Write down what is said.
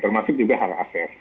termasuk juga hal access